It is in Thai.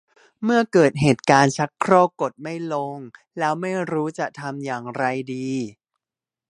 เมื่อเกิดเหตุการณ์ชักโครกกดไม่ลงแล้วไม่รู้จะทำอย่างไรดี